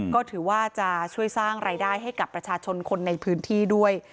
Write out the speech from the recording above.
ก็ถือว่าจะช่วยสร้างรายได้ให้กับประชาชนคนในพื้นที่ด้วย